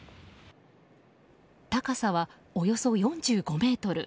高さは、およそ４５ｍ。